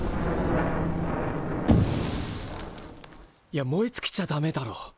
いや燃えつきちゃダメだろ。